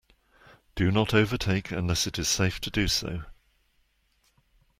Do not overtake unless it is safe to do so.